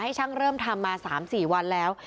ช่างเริ่มทำมา๓๔วันแล้ว